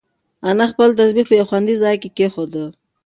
انا خپل تسبیح په یو خوندي ځای کې کېښوده.